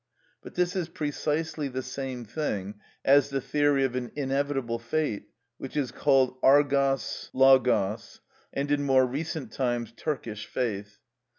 But this is precisely the same thing as the theory of an inevitable fate which is called αργος λογος, and in more recent times Turkish faith.